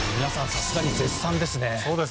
さすがに絶賛ですね。